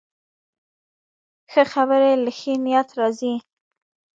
ښه خبرې له ښې نیت راځي